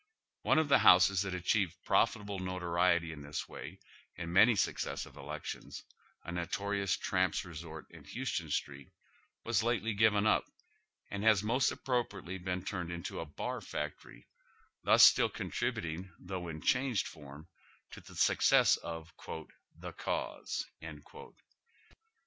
One of the houses that acliieved profitable noto I'iety in tliis way in many successive elections, a notorions tramps' resort in Houston Street, was lately given up, and has most appropriately been turned into a bar factory, thus still contributing, though in a changed form, to the success of " the cause."